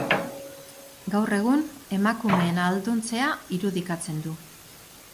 Gaur egun, emakumeen ahalduntzea irudikatzen du.